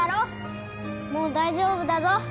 もう大丈夫だぞ。